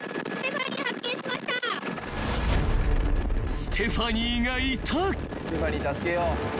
［ステファニーがいた］